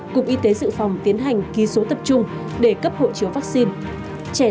cục y tế dự phòng tiến hành ký số tập trung để cấp hộ chiếu vaccine